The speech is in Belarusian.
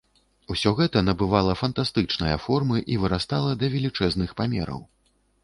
Усё гэта набывала фантастычныя формы і вырастала да велічэзных памераў.